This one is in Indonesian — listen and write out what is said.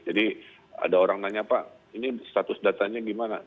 jadi ada orang nanya pak ini status datanya gimana